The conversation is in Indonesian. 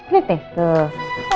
lihat nih tuh